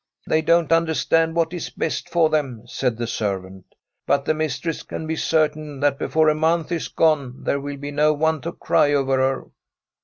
' They don't understand what is best for them,' said the servant ;' but the mistress can be certain that before a month is gone there will be no one to cry over her.'